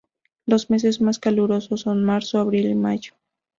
Los meses más calurosos son marzo, abril y mayo.